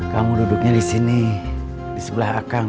kamu duduknya disini disebelah akang